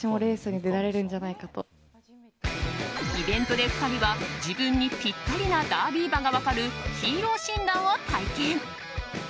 イベントで２人は自分にぴったりなダービー馬が分かるＨＥＲＯ診断を体験。